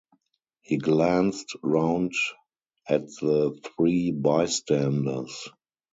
He glanced round at the three bystanders.